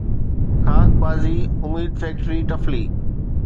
خاڪ بازي اميد فيڪٽري ٽفلي